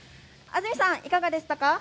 安住さん、いかがでしたか？